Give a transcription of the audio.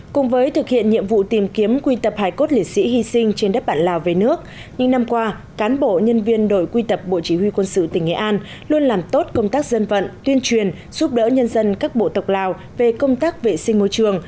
cùng với thực hiện nhiệm vụ tìm kiếm quy tập hải cốt lễ sĩ hy sinh trên đất bản lào về nước những năm qua cán bộ nhân viên đội quy tập bộ chỉ huy quân sự tỉnh nghệ an luôn làm tốt công tác dân vận tuyên truyền giúp đỡ nhân dân các bộ tộc lào về công tác vệ sinh môi trường